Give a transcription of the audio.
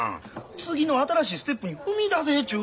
次の新しいステップに踏み出せちゅう